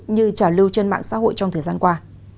như trả lưu trên mạng xã hội trong thời gian qua